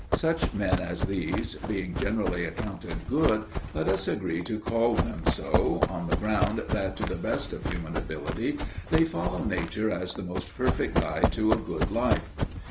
Such men as these being generally accounted "good," let us agree to call them so, on the ground that to the best of human ability they follow nature as the most perfect guide to a good life.